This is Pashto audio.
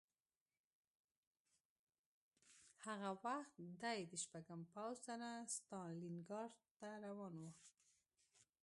هغه وخت دی د شپږم پوځ سره ستالینګراډ ته روان و